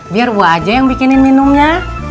biar buah aja yang bikinin minumnya